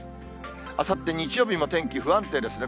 あさって日曜日も天気不安定ですね。